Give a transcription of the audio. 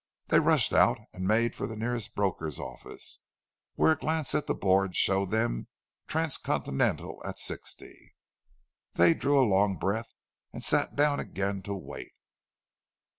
They rushed out and made for the nearest broker's office, where a glance at the board showed them Transcontinental at 60. They drew a long breath, and sat down again to wait.